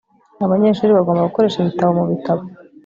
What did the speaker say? abanyeshuri bagomba gukoresha ibitabo mubitabo